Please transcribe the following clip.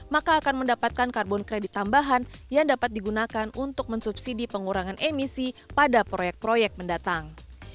maka akan mendapatkan karbon kredit tambahan yang dapat digunakan untuk mensubsidi pengurangan emisi pada proyek proyek mendatang